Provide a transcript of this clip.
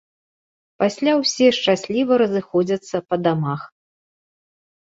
Пасля ўсе шчасліва расходзяцца па дамах.